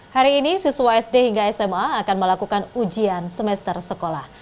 hari ini siswa sd hingga sma akan melakukan ujian semester sekolah